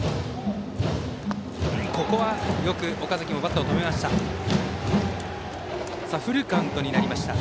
ここはよく岡崎もバットを止めました。